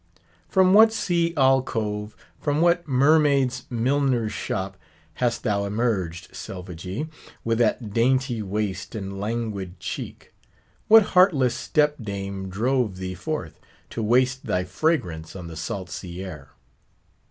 From what sea alcove, from what mermaid's milliner's shop, hast thou emerged, Selvagee! with that dainty waist and languid cheek? What heartless step dame drove thee forth, to waste thy fragrance on the salt sea air?